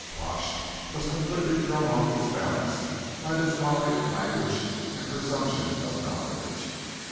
Pash was completely thrown off his balance by this volley of language and presumption of knowledge.